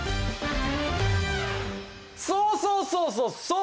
そうそうそうそうそう！